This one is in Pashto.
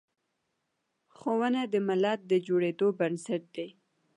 ښوونه د ملت د جوړیدو بنسټ دی.